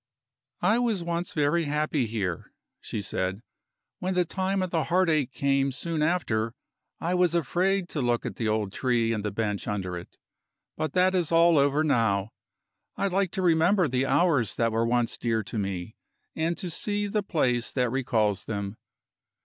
"I was once very happy here," she said. "When the time of the heartache came soon after, I was afraid to look at the old tree and the bench under it. But that is all over now. I like to remember the hours that were once dear to me, and to see the place that recalls them.